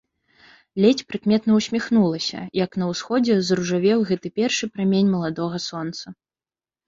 Ледзь прыкметна ўсмiхнулася - як на ўсходзе заружавеў гэты першы прамень маладога сонца.